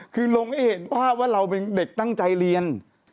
คือลงให้เห็นภาพว่าเราเป็นเด็กตั้งใจเรียน